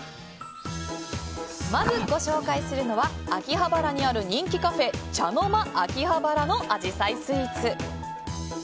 まずご紹介するのは秋葉原にある人気カフェｃｈａｎｏ‐ｍａ秋葉原のアジサイスイーツ。